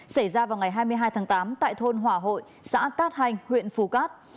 xảy ra vào ngày hai mươi hai tháng tám tại thôn hòa hội xã cát hành huyện phú cát